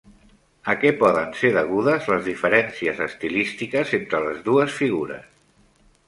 A què poden ser degudes les diferències estilístiques entre les dues figures?